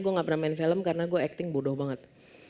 gue gak pernah main film karena gue acting bodoh banget